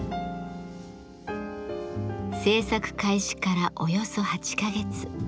制作開始からおよそ８か月。